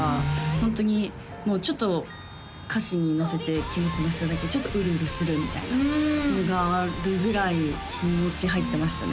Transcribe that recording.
ホントにちょっと歌詞にのせて気持ちのせただけでちょっとうるうるするみたいなのがあるぐらい気持ち入ってましたね